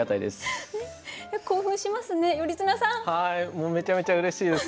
もうめちゃめちゃうれしいです。